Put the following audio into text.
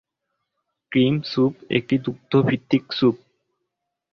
Cream soup একটি দুগ্ধ ভিত্তিক স্যুপ।